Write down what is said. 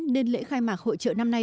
nên lễ khai mạc hội trợ năm nay